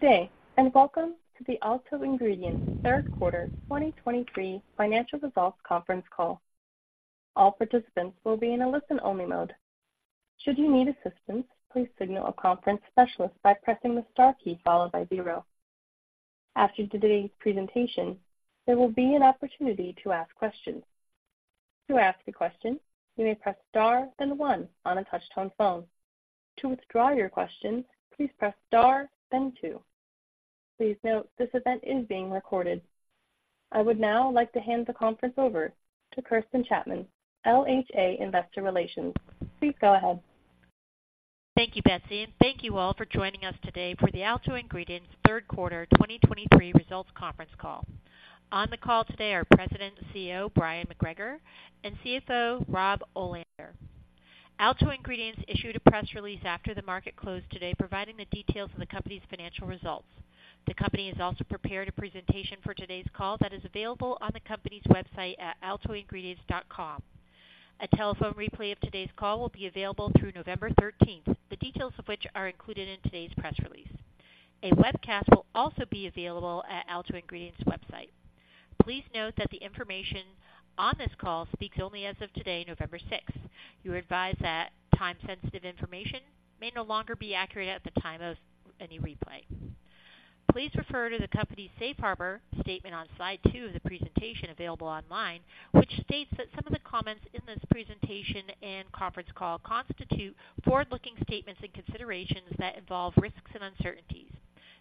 Good day, and welcome to the Alto Ingredients Third Quarter 2023 Financial Results Conference Call. All participants will be in a listen-only mode. Should you need assistance, please signal a conference specialist by pressing the star key followed by zero. After today's presentation, there will be an opportunity to ask questions. To ask a question, you may press star, then one on a touch-tone phone. To withdraw your question, please press star, then two. Please note, this event is being recorded. I would now like to hand the conference over to Kirsten Chapman, LHA Investor Relations. Please go ahead. Thank you, Betsy, and thank you all for joining us today for the Alto Ingredients third quarter 2023 results conference call. On the call today are President and CEO, Bryon McGregor, and CFO, Rob Olander. Alto Ingredients issued a press release after the market closed today, providing the details of the company's financial results. The company has also prepared a presentation for today's call that is available on the company's website at altoingredients.com. A telephone replay of today's call will be available through November thirteenth. The details of which are included in today's press release. A webcast will also be available at Alto Ingredients website. Please note that the information on this call speaks only as of today, November sixth. You are advised that time-sensitive information may no longer be accurate at the time of any replay. Please refer to the company's Safe Harbor statement on slide two of the presentation available online, which states that some of the comments in this presentation and conference call constitute forward-looking statements and considerations that involve risks and uncertainties.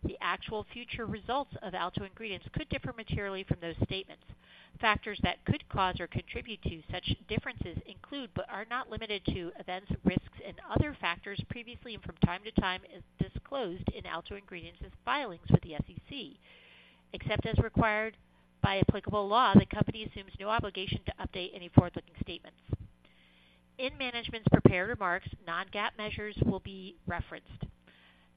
The actual future results of Alto Ingredients could differ materially from those statements. Factors that could cause or contribute to such differences include, but are not limited to, events, risks, and other factors previously and from time to time, is disclosed in Alto Ingredients' filings with the SEC. Except as required by applicable law, the company assumes no obligation to update any forward-looking statements. In management's prepared remarks, non-GAAP measures will be referenced.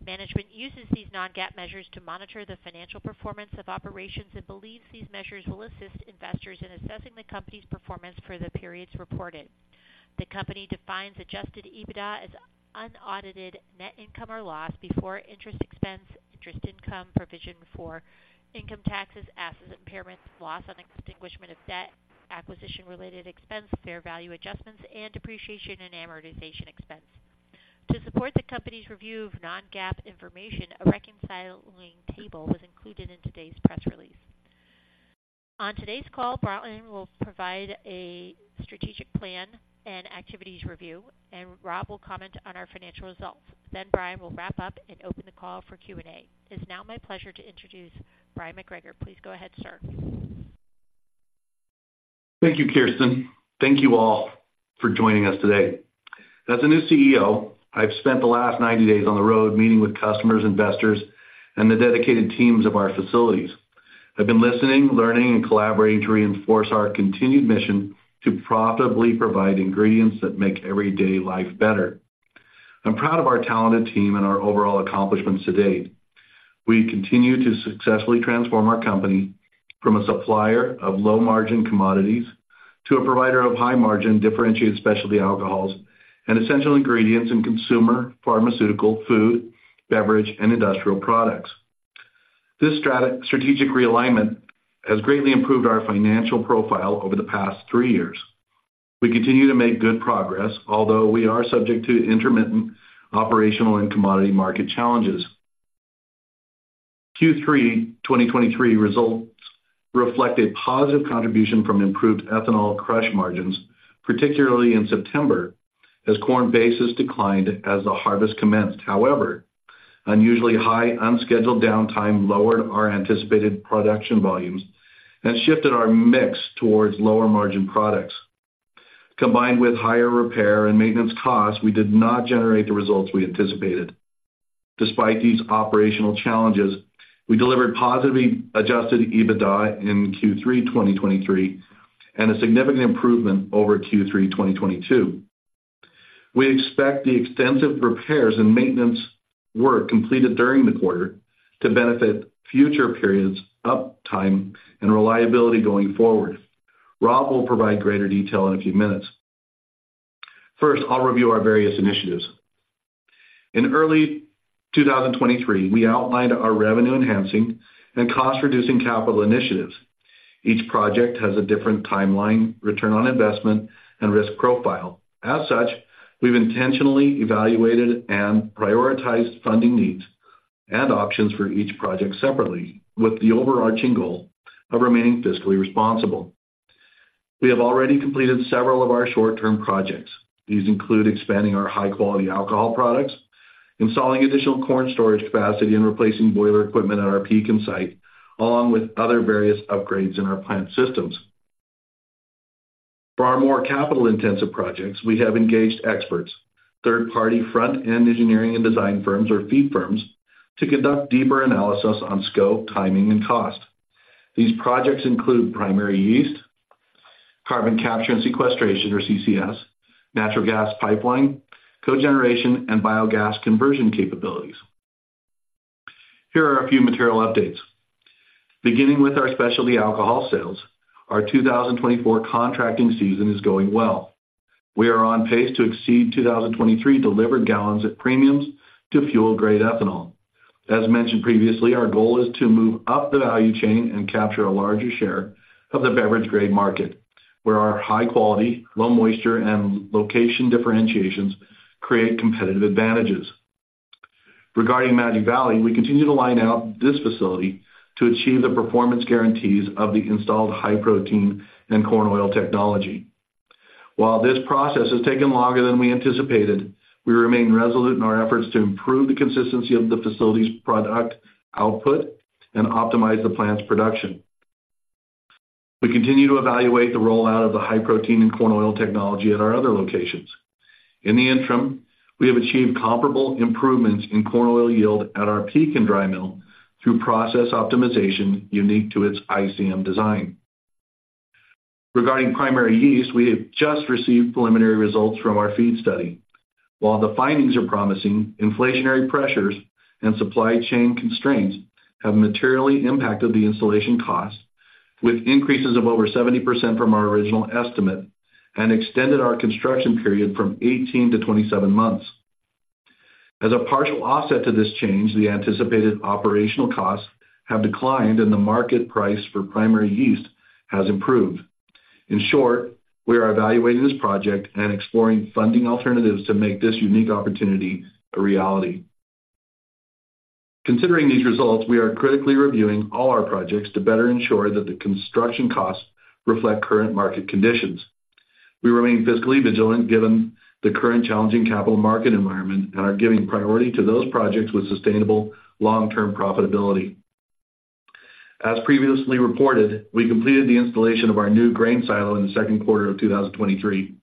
Management uses these non-GAAP measures to monitor the financial performance of operations and believes these measures will assist investors in assessing the company's performance for the periods reported. The company defines adjusted EBITDA as unaudited net income, or loss, before interest expense, interest income, provision for income taxes, asset impairment, loss on extinguishment of debt, acquisition-related expense, fair value adjustments, and depreciation and amortization expense. To support the company's review of non-GAAP information, a reconciling table was included in today's press release. On today's call, Bryon will provide a strategic plan and activities review, and Rob will comment on our financial results. Then Bryon will wrap up and open the call for Q&A. It's now my pleasure to introduce Bryon McGregor. Please go ahead, sir. Thank you, Kirsten. Thank you all for joining us today. As a new CEO, I've spent the last 90 days on the road meeting with customers, investors, and the dedicated teams of our facilities. I've been listening, learning, and collaborating to reinforce our continued mission to profitably provide ingredients that make everyday life better. I'm proud of our talented team and our overall accomplishments to date. We continue to successfully transform our company from a supplier of low-margin commodities to a provider of high-margin, differentiated specialty alcohols and essential ingredients in consumer, pharmaceutical, food, beverage, and industrial products. This strategic realignment has greatly improved our financial profile over the past three years. We continue to make good progress, although we are subject to intermittent operational and commodity market challenges. Q3 2023 results reflect a positive contribution from improved ethanol crush margins, particularly in September, as corn bases declined as the harvest commenced. However, unusually high unscheduled downtime lowered our anticipated production volumes and shifted our mix towards lower-margin products. Combined with higher repair and maintenance costs, we did not generate the results we anticipated. Despite these operational challenges, we delivered positive adjusted EBITDA in Q3 2023 and a significant improvement over Q3 2022. We expect the extensive repairs and maintenance work completed during the quarter to benefit future periods, uptime, and reliability going forward. Rob will provide greater detail in a few minutes. First, I'll review our various initiatives. In early 2023, we outlined our revenue-enhancing and cost-reducing capital initiatives. Each project has a different timeline, return on investment, and risk profile. As such, we've intentionally evaluated and prioritized funding needs and options for each project separately, with the overarching goal of remaining fiscally responsible. We have already completed several of our short-term projects. These include expanding our high-quality alcohol products, installing additional corn storage capacity, and replacing boiler equipment at our Pekin site, along with other various upgrades in our plant systems. For our more capital-intensive projects, we have engaged experts, third-party front-end engineering and design firms or FEED firms, to conduct deeper analysis on scope, timing, and cost. These projects include primary yeast, Carbon Capture and Sequestration, or CCS, natural gas pipeline, cogeneration, and biogas conversion capabilities. Here are a few material updates. Beginning with our specialty alcohol sales, our 2024 contracting season is going well. We are on pace to exceed 2023 delivered gallons of premiums to fuel-grade ethanol. As mentioned previously, our goal is to move up the value chain and capture a larger share of the beverage-grade market, where our high-quality, low moisture, and location differentiations create competitive advantages. Regarding Magic Valley, we continue to line out this facility to achieve the performance guarantees of the installed high-protein and corn oil technology. While this process has taken longer than we anticipated, we remain resolute in our efforts to improve the consistency of the facility's product output and optimize the plant's production. We continue to evaluate the rollout of the high-protein and corn oil technology at our other locations. In the interim, we have achieved comparable improvements in corn oil yield at our Pekin dry mill through process optimization unique to its ICM design. Regarding primary yeast, we have just received preliminary results from our FEED study. While the findings are promising, inflationary pressures and supply chain constraints have materially impacted the installation costs, with increases of over 70% from our original estimate, and extended our construction period from 18 to 27 months. As a partial offset to this change, the anticipated operational costs have declined and the market price for primary yeast has improved. In short, we are evaluating this project and exploring funding alternatives to make this unique opportunity a reality. Considering these results, we are critically reviewing all our projects to better ensure that the construction costs reflect current market conditions. We remain fiscally vigilant given the current challenging capital market environment and are giving priority to those projects with sustainable long-term profitability. As previously reported, we completed the installation of our new grain silo in the second quarter of 2023.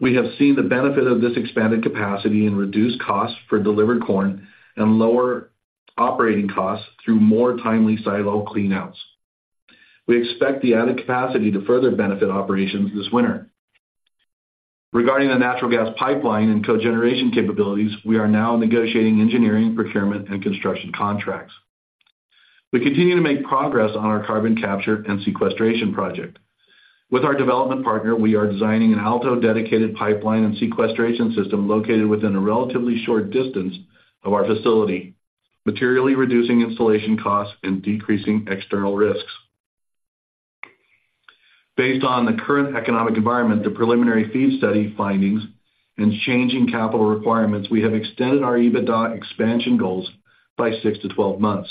We have seen the benefit of this expanded capacity in reduced costs for delivered corn and lower operating costs through more timely silo cleanouts. We expect the added capacity to further benefit operations this winter. Regarding the natural gas pipeline and cogeneration capabilities, we are now negotiating engineering, procurement, and construction contracts. We continue to make progress on our Carbon Capture and Sequestration project. With our development partner, we are designing an Alto-dedicated pipeline and sequestration system located within a relatively short distance of our facility, materially reducing installation costs and decreasing external risks. Based on the current economic environment, the preliminary FEED study findings, and changing capital requirements, we have extended our EBITDA expansion goals by six-12 months.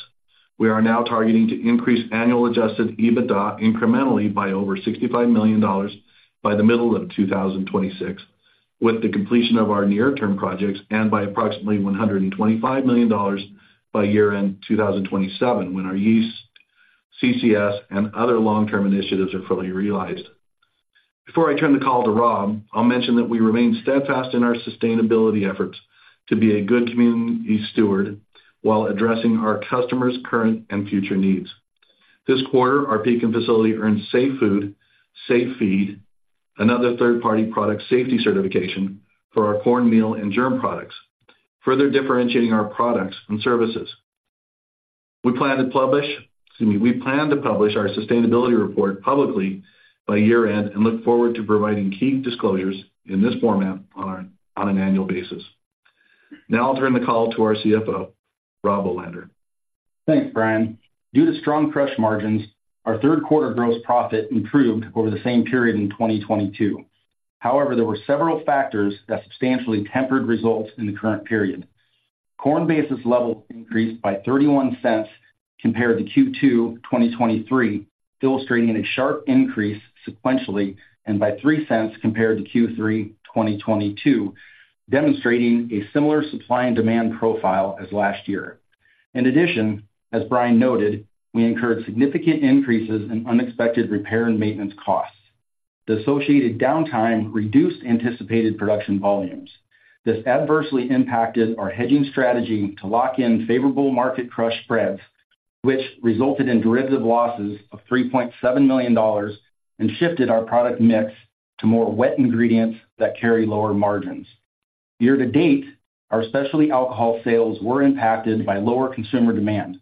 We are now targeting to increase annual adjusted EBITDA incrementally by over $65 million by the middle of 2026, with the completion of our near-term projects and by approximately $125 million by year-end 2027 when our yeast, CCS, and other long-term initiatives are fully realized. Before I turn the call to Rob, I'll mention that we remain steadfast in our sustainability efforts to be a good community steward while addressing our customers' current and future needs. This quarter, our Pekin facility earned Safe Food, Safe Feed, another third-party product safety certification for our corn meal and germ products, further differentiating our products and services. We plan to publish, excuse me, we plan to publish our sustainability report publicly by year-end and look forward to providing key disclosures in this format on an annual basis. Now I'll turn the call to our CFO, Rob Olander. Thanks, Bryon. Due to strong crush margins, our third quarter gross profit improved over the same period in 2022. However, there were several factors that substantially tempered results in the current period. Corn basis levels increased by $0.31 compared to Q2 2023, illustrating a sharp increase sequentially and by $0.03 compared to Q3 2022, demonstrating a similar supply and demand profile as last year. In addition, as Bryon noted, we incurred significant increases in unexpected repair and maintenance costs. The associated downtime reduced anticipated production volumes. This adversely impacted our hedging strategy to lock in favorable market crush spreads, which resulted in derivative losses of $3.7 million and shifted our product mix to more wet ingredients that carry lower margins. Year to date, our specialty alcohol sales were impacted by lower consumer demand.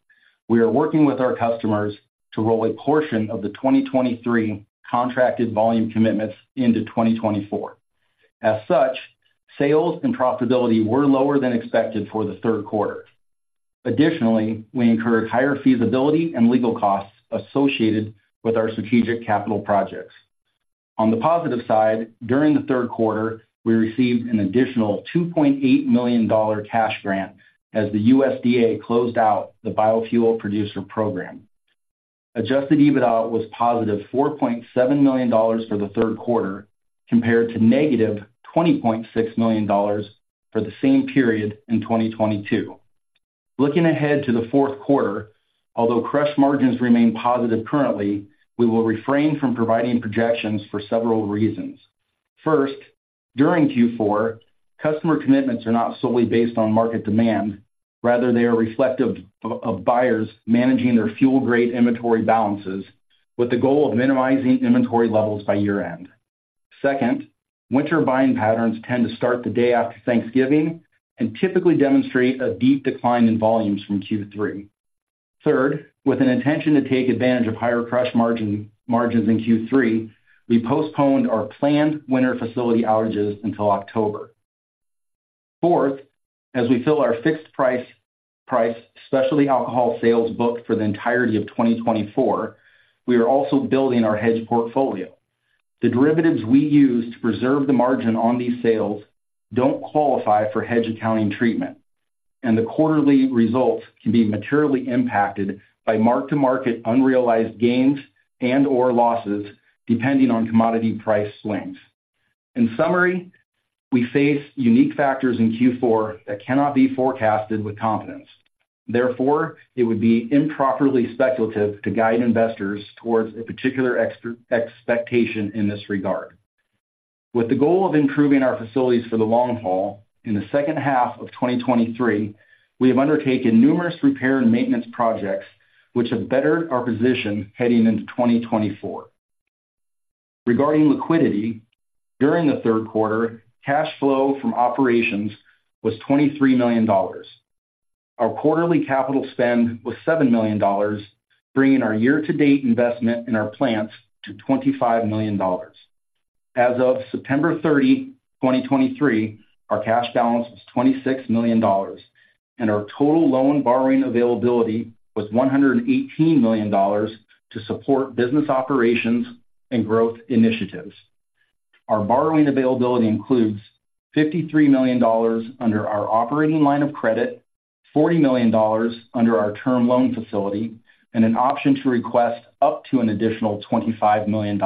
We are working with our customers to roll a portion of the 2023 contracted volume commitments into 2024. As such, sales and profitability were lower than expected for the third quarter. Additionally, we incurred higher feasibility and legal costs associated with our strategic capital projects. On the positive side, during the third quarter, we received an additional $2.8 million dollar cash grant as the USDA closed out the Biofuel Producer Program. Adjusted EBITDA was positive $4.7 million for the third quarter, compared to negative $20.6 million for the same period in 2022. Looking ahead to the fourth quarter, although crush margins remain positive currently, we will refrain from providing projections for several reasons. First, during Q4, customer commitments are not solely based on market demand. Rather, they are reflective of buyers managing their fuel-grade inventory balances with the goal of minimizing inventory levels by year-end. Second, winter buying patterns tend to start the day after Thanksgiving and typically demonstrate a deep decline in volumes from Q3. Third, with an intention to take advantage of higher crush margins in Q3, we postponed our planned winter facility outages until October. Fourth, as we fill our fixed price specialty alcohol sales booked for the entirety of 2024, we are also building our hedge portfolio. The derivatives we use to preserve the margin on these sales don't qualify for hedge accounting treatment, and the quarterly results can be materially impacted by mark-to-market unrealized gains and/or losses, depending on commodity price swings. In summary, we face unique factors in Q4 that cannot be forecasted with confidence. Therefore, it would be improperly speculative to guide investors towards a particular expectation in this regard. With the goal of improving our facilities for the long haul, in the second half of 2023, we have undertaken numerous repair and maintenance projects, which have bettered our position heading into 2024. Regarding liquidity, during the third quarter, cash flow from operations was $23 million. Our quarterly capital spend was $7 million, bringing our year-to-date investment in our plants to $25 million. As of September 30, 2023, our cash balance was $26 million, and our total loan borrowing availability was $118 million to support business operations and growth initiatives. Our borrowing availability includes $53 million under our operating line of credit, $40 million under our term loan facility, and an option to request up to an additional $25 million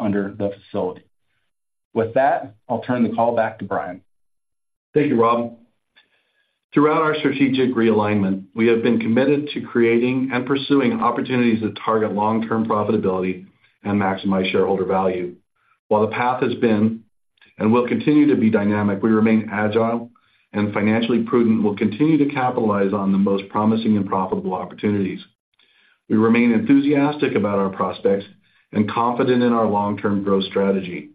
under the facility. With that, I'll turn the call back to Bryon. Thank you, Rob. Throughout our strategic realignment, we have been committed to creating and pursuing opportunities that target long-term profitability and maximize shareholder value. While the path has been and will continue to be dynamic, we remain agile and financially prudent and will continue to capitalize on the most promising and profitable opportunities. We remain enthusiastic about our prospects and confident in our long-term growth strategy.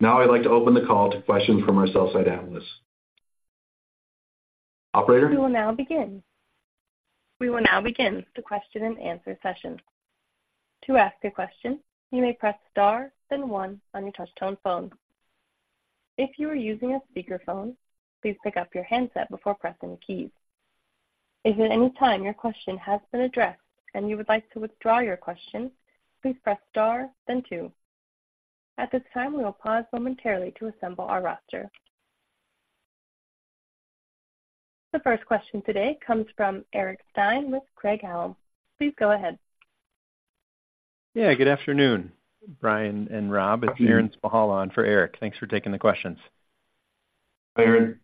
Now, I'd like to open the call to questions from our sell-side analysts. Operator? We will now begin. We will now begin the question-and-answer session. To ask a question, you may press star, then one on your touchtone phone. If you are using a speakerphone, please pick up your handset before pressing the keys. If at any time your question has been addressed and you would like to withdraw your question, please press star then two. At this time, we will pause momentarily to assemble our roster. The first question today comes from Eric Stine with Craig-Hallum. Please go ahead. Yeah, good afternoon, Bryon and Rob. Good afternoon. It's Aaron Spychalla on for Eric. Thanks for taking the questions. Aaron.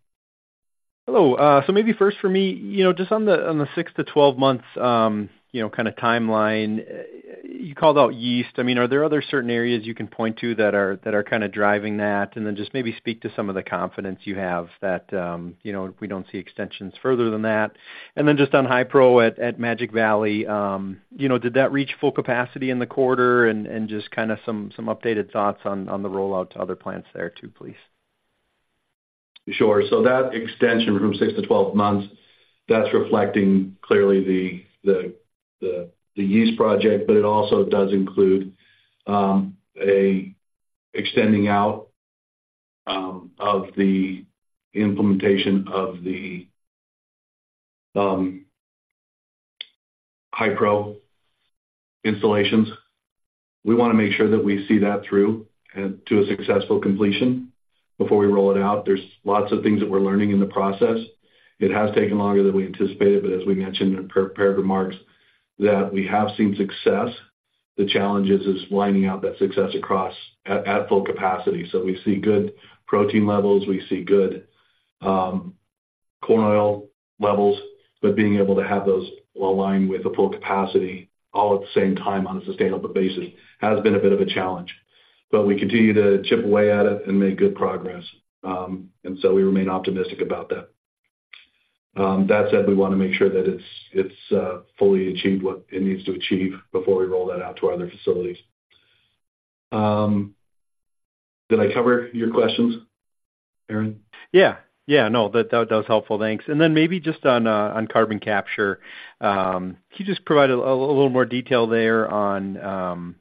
Hello. So maybe first for me, you know, just on the, on the six-12 months, you know, kind of timeline, you called out yeast. I mean, are there other certain areas you can point to that are, that are kind of driving that? And then just maybe speak to some of the confidence you have that, you know, we don't see extensions further than that. And then just on Hi-Pro at, at Magic Valley, you know, did that reach full capacity in the quarter? And just kind of some, some updated thoughts on, on the rollout to other plants there too, please. Sure. So that extension from six-12 months, that's reflecting clearly the yeast project, but it also does include a extending out of the implementation of the Hi-Pro installations. We want to make sure that we see that through and to a successful completion before we roll it out. There's lots of things that we're learning in the process. It has taken longer than we anticipated, but as we mentioned in prepared remarks, that we have seen success. The challenge is lining out that success across at full capacity. So we see good protein levels, we see good corn oil levels, but being able to have those align with the full capacity all at the same time on a sustainable basis has been a bit of a challenge. But we continue to chip away at it and make good progress, and so we remain optimistic about that. That said, we want to make sure that it's fully achieved what it needs to achieve before we roll that out to our other facilities. Did I cover your questions, Aaron? Yeah. Yeah, no, that was helpful. Thanks. And then maybe just on carbon capture, can you just provide a little more detail there on,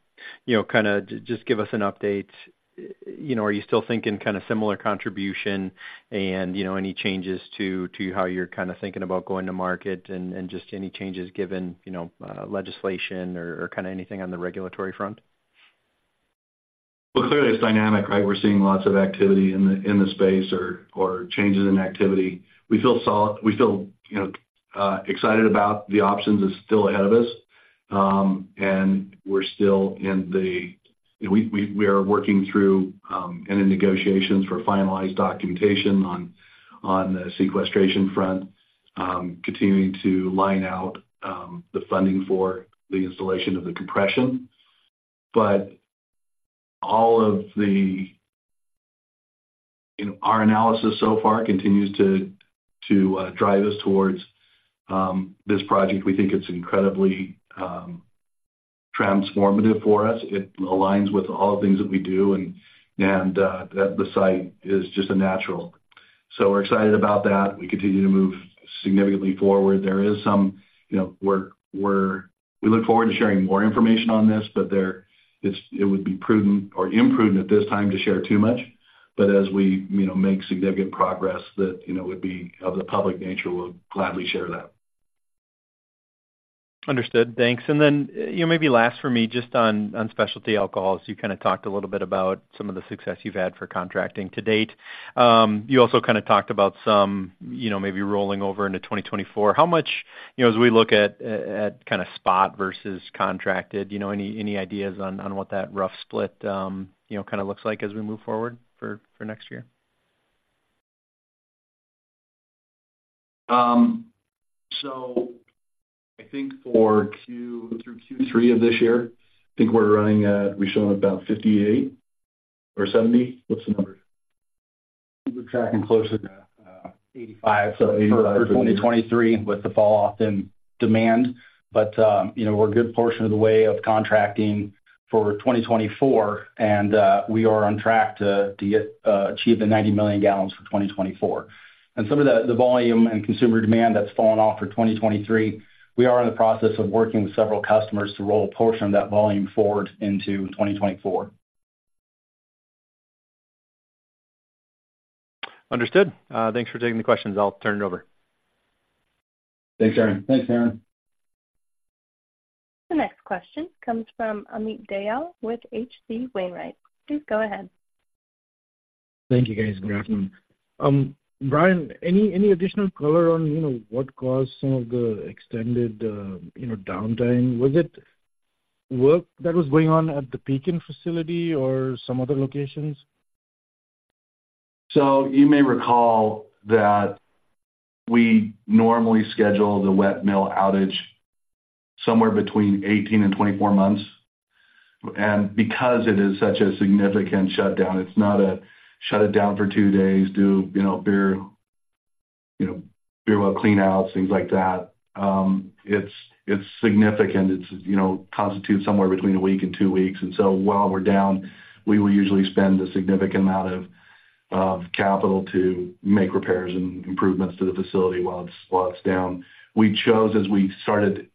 you know, kind of just give us an update. You know, are you still thinking kind of similar contribution and, you know, any changes to how you're kind of thinking about going to market and just any changes given, you know, legislation or kind of anything on the regulatory front? Well, clearly, it's dynamic, right? We're seeing lots of activity in the space or changes in activity. We feel solid. We feel, you know, excited about the options that's still ahead of us, and we're still in the... We are working through and in negotiations for finalized documentation on the sequestration front, continuing to line out the funding for the installation of the compression. But all of the. You know, our analysis so far continues to drive us towards this project. We think it's incredibly transformative for us. It aligns with all the things that we do, and the site is just a natural. So we're excited about that. We continue to move significantly forward. There is some, you know, we look forward to sharing more information on this, but it would be prudent or imprudent at this time to share too much. But as we, you know, make significant progress that, you know, would be of the public nature, we'll gladly share that. Understood. Thanks. And then, you know, maybe last for me, just on specialty alcohols. You kind of talked a little bit about some of the success you've had for contracting to date. You also kind of talked about some, you know, maybe rolling over into 2024. How much, you know, as we look at kind of spot versus contracted, you know, any ideas on what that rough split, you know, kind of looks like as we move forward for next year? So, I think for Q through Q3 of this year, I think we're running at, we're showing about 58 or 70. What's the number? We're tracking closer to, 85. So 85. For 2023 with the fall off in demand. But, you know, we're a good portion of the way of contracting for 2024, and, we are on track to achieve the 90 million gallons for 2024. And some of the volume and consumer demand that's fallen off for 2023, we are in the process of working with several customers to roll a portion of that volume forward into 2024. Understood. Thanks for taking the questions. I'll turn it over. Thanks, Aaron. Thanks, Aaron. The next question comes from Amit Dayal with H.C. Wainwright. Please go ahead. Thank you, guys. Good afternoon. Bryon, any additional color on, you know, what caused some of the extended, you know, downtime? Was it work that was going on at the Pekin facility or some other locations? So you may recall that we normally schedule the wet mill outage somewhere between 18 and 24 months. And because it is such a significant shutdown, it's not a shut it down for two days, do, you know, beer, you know, beer well cleanouts, things like that. It's significant. It, you know, constitutes somewhere between a week and two weeks. And so while we're down, we will usually spend a significant amount of capital to make repairs and improvements to the facility while it's down. We chose, as we started,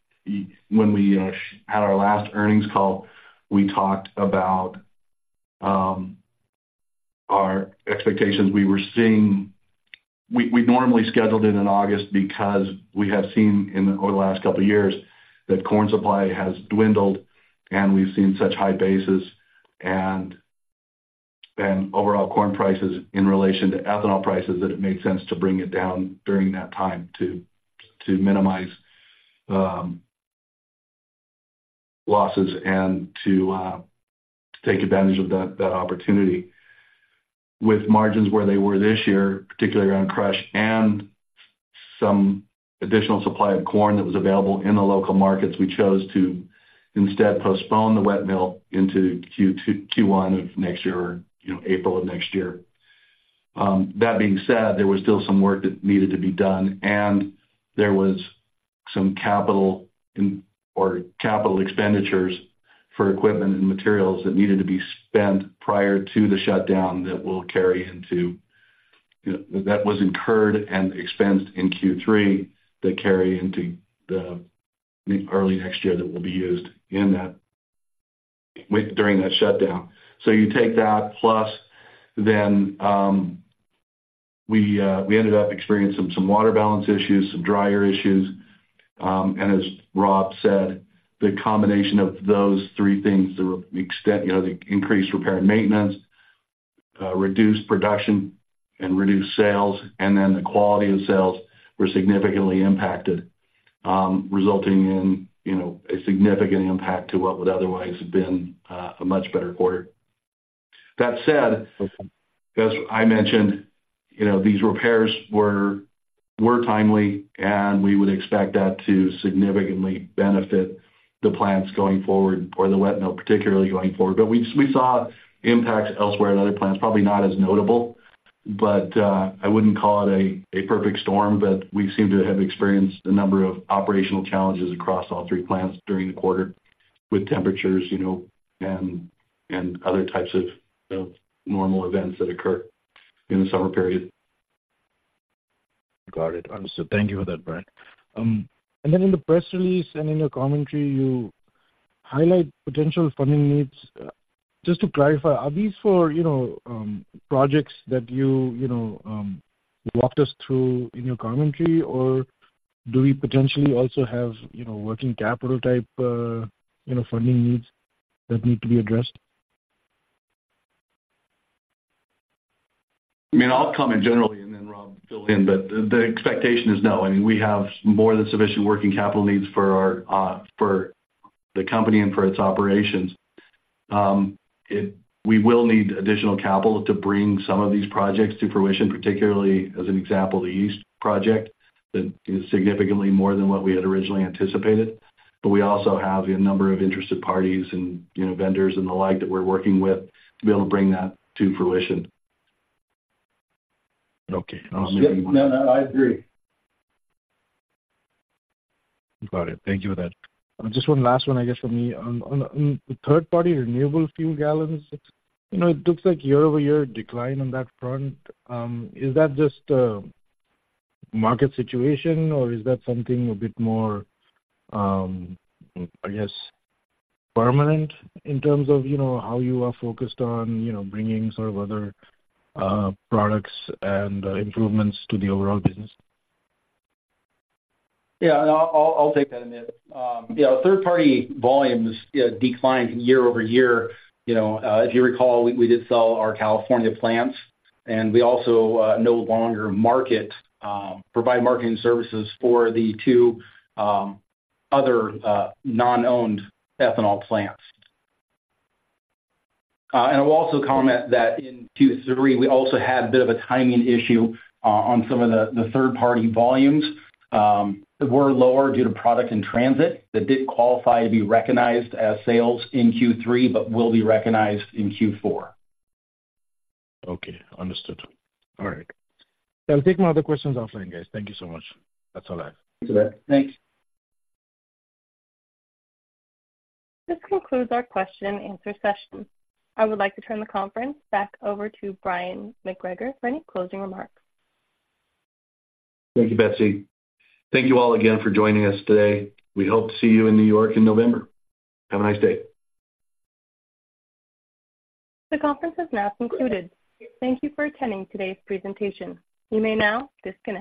when we had our last earnings call, we talked about our expectations. We were seeing. We normally scheduled it in August because we have seen over the last couple of years that corn supply has dwindled, and we've seen such high basis and overall corn prices in relation to ethanol prices, that it makes sense to bring it down during that time to minimize losses and to take advantage of that opportunity. With margins where they were this year, particularly around crush and some additional supply of corn that was available in the local markets, we chose to instead postpone the wet mill into Q2, Q1 of next year, or, you know, April of next year. That being said, there was still some work that needed to be done, and there was some capital in or capital expenditures for equipment and materials that needed to be spent prior to the shutdown that will carry into, you know, that was incurred and expensed in Q3, that carry into the early next year, that will be used in that, with, during that shutdown. So you take that, plus then, we ended up experiencing some water balance issues, some dryer issues. And as Rob said, the combination of those three things, the extent, you know, the increased repair and maintenance, reduced production and reduced sales, and then the quality of sales were significantly impacted, resulting in, you know, a significant impact to what would otherwise have been, a much better quarter. That said, as I mentioned, you know, these repairs were timely, and we would expect that to significantly benefit the plants going forward or the wet mill, particularly going forward. But we saw impacts elsewhere in other plants, probably not as notable, but I wouldn't call it a perfect storm. But we seem to have experienced a number of operational challenges across all three plants during the quarter with temperatures, you know, and other types of normal events that occur in the summer period. Got it. Understood. Thank you for that, Bryon. And then in the press release and in your commentary, you highlight potential funding needs. Just to clarify, are these for, you know, projects that you, you know, walked us through in your commentary, or do we potentially also have, you know, working capital type, you know, funding needs that need to be addressed? I mean, I'll comment generally, and then Rob, fill in, but the expectation is no. I mean, we have more than sufficient working capital needs for our for the company and for its operations. We will need additional capital to bring some of these projects to fruition, particularly as an example, the east project, that is significantly more than what we had originally anticipated. But we also have a number of interested parties and, you know, vendors and the like that we're working with to be able to bring that to fruition. Okay, I'll let you. No, no, I agree. Got it. Thank you for that. Just one last one, I guess, for me. On, on, on the third-party renewable fuel gallons, you know, it looks like year-over-year decline on that front. Is that just a market situation or is that something a bit more, I guess, permanent in terms of, you know, how you are focused on, you know, bringing sort of other products and improvements to the overall business? Yeah, and I'll take that, Amit. Yeah, third-party volumes, yeah, declined year-over-year. You know, if you recall, we did sell our California plants, and we also no longer market, provide marketing services for the two other non-owned ethanol plants. And I'll also comment that in Q3, we also had a bit of a timing issue on some of the third-party volumes that were lower due to product in transit that did qualify to be recognized as sales in Q3, but will be recognized in Q4. Okay, understood. All right. I'll take my other questions offline, guys. Thank you so much. That's all I have. Thanks for that. Thanks. This concludes our question and answer session. I would like to turn the conference back over to Bryon McGregor for any closing remarks. Thank you, Betsy. Thank you all again for joining us today. We hope to see you in New York in November. Have a nice day. The conference is now concluded. Thank you for attending today's presentation. You may now disconnect.